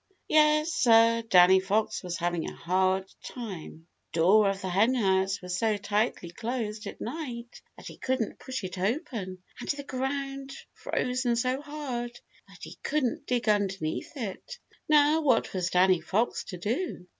Yes, sir, Danny Fox was having a hard time. The door of the Henhouse was so tightly closed at night that he couldn't push it open, and the ground frozen so hard that he couldn't dig underneath it. Now what was Danny Fox to do?